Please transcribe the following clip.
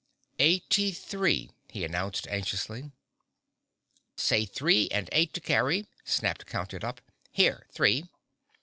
"Eighty three," he announced anxiously. "Say three and eight to carry," snapped Count It Up. "Here, Three!"